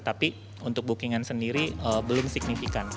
tapi untuk bookingan sendiri belum signifikan